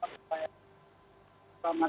dan di antaranya di gunung gunung kebuan